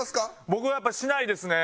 僕はやっぱりしないですね。